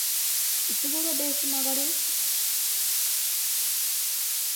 いつ頃ベース曲がる？